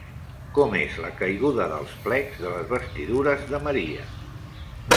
Com és la caiguda dels plecs de les vestidures de Maria?